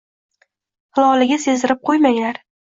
Hilolaga sezdirib qo`ymanglar